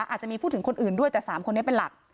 อาจจะมีพูดถึงคนอื่นด้วยแต่๓คนนี้เป็นหลัก